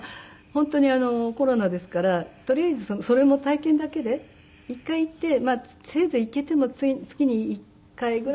本当にコロナですからとりあえずそれも体験だけで一回行ってまあせいぜい行けても月に１回ぐらいだろうなって。